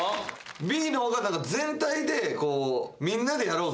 Ｂの方が全体でこうみんなでやろうぜ！